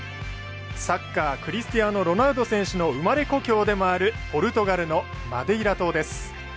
サッカー、クリスティアーノ・ロナウド選手の生まれ故郷でもあるポルトガルのマデイラ島です。